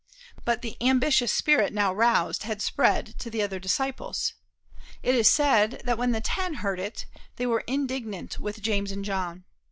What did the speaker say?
But the ambitious spirit now roused had spread to the other disciples. It is said that when the ten heard it they were indignant with James and John.